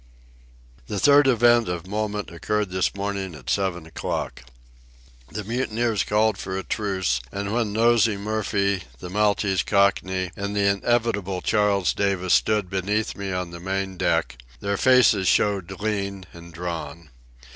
The third event of moment occurred this morning at seven o'clock. The mutineers called for a truce; and when Nosey Murphy, the Maltese Cockney, and the inevitable Charles Davis stood beneath me on the main deck, their faces showed lean and drawn.